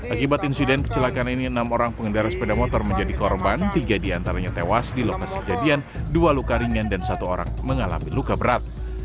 akibat insiden kecelakaan ini enam orang pengendara sepeda motor menjadi korban tiga diantaranya tewas di lokasi kejadian dua luka ringan dan satu orang mengalami luka berat